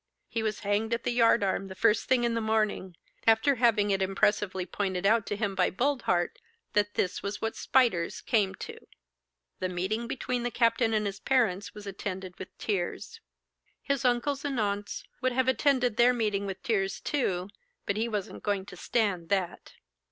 He was hanged at the yard arm the first thing in the morning, after having it impressively pointed out to him by Boldheart that this was what spiters came to. The meeting between the captain and his parents was attended with tears. His uncles and aunts would have attended their meeting with tears too, but he wasn't going to stand that.